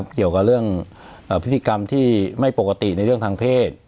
เกี่ยวกับเรื่องพิธีกรรมที่ไม่ปกติในเรื่องทางเพศ